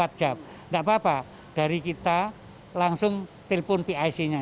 tidak apa apa dari kita langsung telpon pic nya